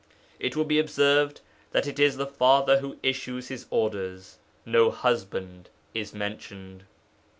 It will be observed that it is the father who issues his orders; no husband is mentioned.